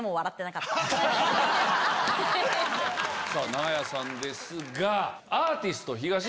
長屋さんですが。